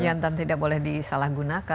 ya entah tidak boleh disalahgunakan